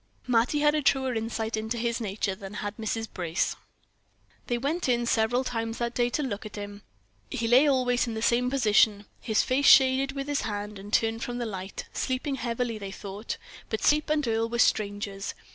Mattie had a truer insight into his nature than had Mrs. Brace. They went in several times that day to look at him; he lay always in the same position, his face shaded with his hand and turned from the light, sleeping heavily they thought, but sleep and Earle were strangers.